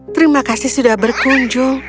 terima kasih sudah berkunjung